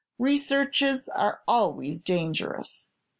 Researches are always dangerous.